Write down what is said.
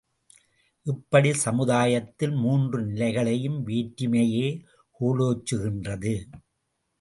இப்படிச் சமுதாயத்தில் மூன்று நிலைகளிலும் வேற்றுமையே கோலோச்சுகின்றது!